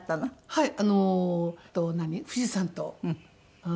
はい。